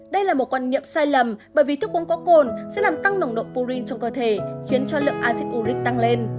đây là một quan niệm sai lầm bởi vì thức uống có cồn sẽ làm tăng nồng độ purin trong cơ thể khiến cho lượng acid uric tăng lên